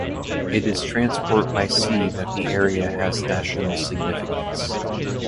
It is transport by sea that the area has national significance.